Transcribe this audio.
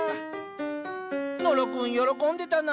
野呂君喜んでたな。